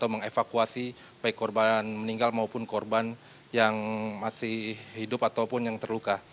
mengevakuasi baik korban meninggal maupun korban yang masih hidup ataupun yang terluka